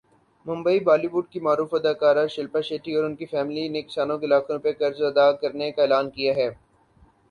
Mumbai Bollywood کی معروف اداکارہ شلپا شیٹھی اور اُن کی فیملی نے کسانوں کے لاکھوں روپے قرض ادا کرنے کا اعلان کیا ہے